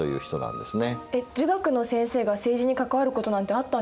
儒学の先生が政治に関わることなんてあったんですね。